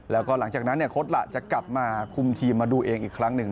แล้วก็หลังจากนั้นโค้ดล่ะจะกลับมาคุมทีมมาดูเองอีกครั้งหนึ่ง